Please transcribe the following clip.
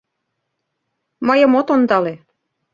Мыйым от ондале.